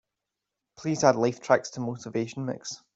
Please add Lifetracks to motivation mix